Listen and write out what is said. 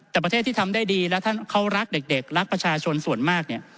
แต่ประเทศที่ทำได้ดีและท่านเขารักเด็กรักประชาชนส่วนมากเนี่ย